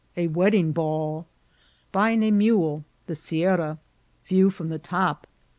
— A Wadding BalL— Baying a Mala.— The Siarra.— View from tha Top.